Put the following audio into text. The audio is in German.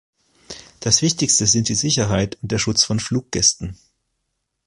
Das wichtigste sind die Sicherheit und der Schutz von Fluggästen.